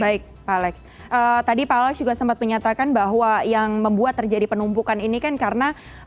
baik pak alex tadi pak alex juga sempat menyatakan bahwa yang membuat terjadi penumpukan ini kan karena